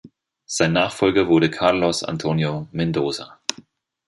Sein Nachfolger wurde Carlos Antonio Mendoza.